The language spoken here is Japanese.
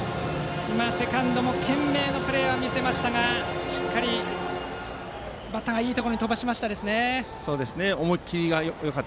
セカンドも懸命のプレーは見せましたがしっかりバッターがいいところに飛ばしました。